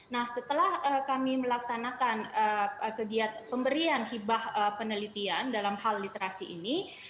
nah setelah kami melaksanakan kegiatan pemberian hibah penelitian dalam hal literasi ini